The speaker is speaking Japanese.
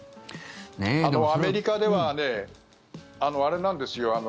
アメリカではあれなんですよ。